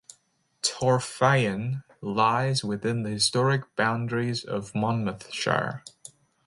Torfaen lies within the historic boundaries of Monmouthshire.